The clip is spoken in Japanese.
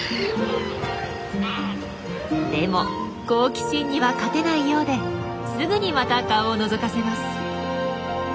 でも好奇心には勝てないようですぐにまた顔をのぞかせます。